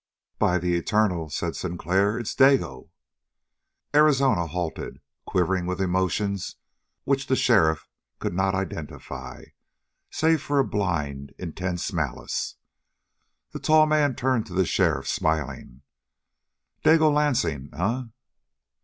"By the Eternal," said Sinclair, "it's Dago!" Arizona halted, quivering with emotions which the sheriff could not identify, save for a blind, intense malice. The tall man turned to the sheriff, smiling: "Dago Lansing, eh?"